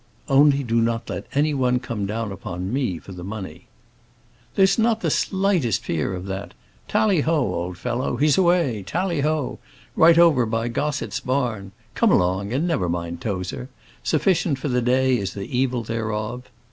"Only do not let any one come down upon me for the money." "There is not the slightest fear of that. Tally ho, old fellow! He's away. Tally ho! right over by Gossetts' barn. Come along, and never mind Tozer 'Sufficient for the day is the evil thereof.'"